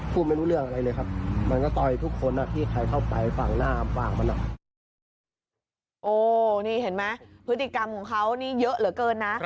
พฤติกรรมของเขานี่เยอะเหลือเกินนะ